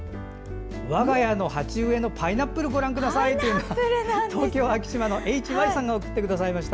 我が家の鉢植えのパイナップルをご覧くださいということで東京・昭島市のＨＹさんが送ってくれました。